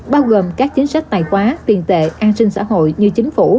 bao gồm các chính sách tài quá tiền tệ an sinh xã hội như chính phủ